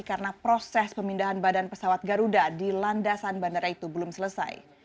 karena proses pemindahan badan pesawat garuda di landasan bandara itu belum selesai